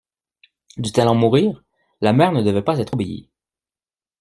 Dût-elle en mourir, la mère ne devait pas être obéie.